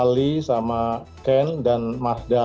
terus ali sama ken dan mahdal